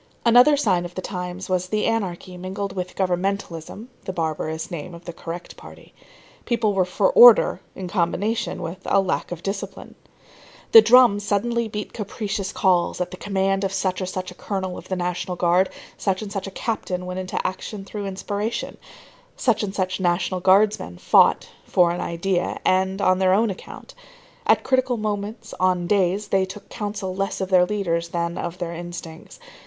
Another sign of the times was the anarchy mingled with governmentalism [the barbarous name of the correct party]. People were for order in combination with lack of discipline. The drum suddenly beat capricious calls, at the command of such or such a Colonel of the National Guard; such and such a captain went into action through inspiration; such and such National Guardsmen fought, "for an idea," and on their own account. At critical moments, on "days" they took counsel less of their leaders than of their instincts.